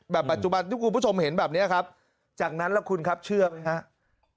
ปัจจุบันที่คุณผู้ชมเห็นแบบนี้ครับจากนั้นแล้วคุณครับเชื่อไหมครับ